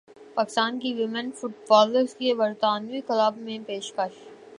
پاکستان کی women footballer کو برطانوی کلب سے پیشکش